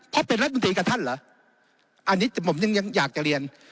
เพราะเป็นรัฐมนตรีกับท่านเหรออันนี้ผมยังยังอยากจะเรียน